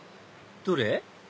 どれ？